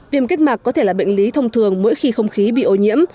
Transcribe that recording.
viêm kết mạc có thể là bệnh lý thông thường mỗi khi không khí bị ô nhiễm